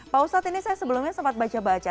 pak ustadz ini saya sebelumnya sempat baca baca